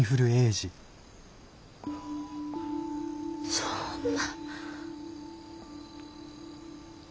そんな。